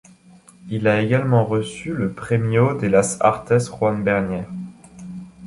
Il a également reçu le Premio de las Artes Juan Bernier.